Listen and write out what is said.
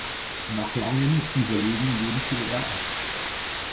Nach langem Überlegen lehnte er ab.